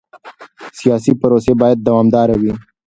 سیاسي پروسې باید دوامداره وي